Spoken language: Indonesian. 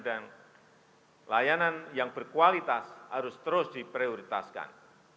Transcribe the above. dan layanan yang berkualitas harus terus diprioritaskan